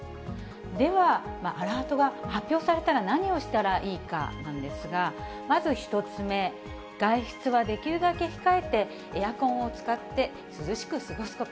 では、アラートが発表されたら何をしたらいいかなんですが、まず１つ目、外出はできるだけ控えて、エアコンを使って、涼しく過ごすこと。